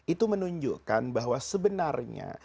itu menunjukkan bahwa sebenarnya